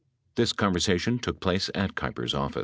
This conversation took place at Keiper's office.